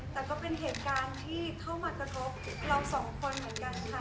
แต่ก็เป็นเหตุการณ์ที่เข้ามากระทบเราสองคนเหมือนกันค่ะ